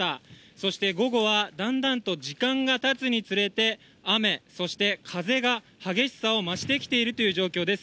そして午後はだんだんと時間がたつにつれて、雨、そして風が激しさを増してきているという状況です。